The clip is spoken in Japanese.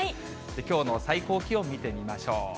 きょうの最高気温見てみましょう。